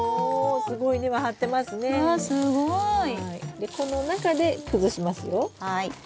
でこの中で崩しますよ。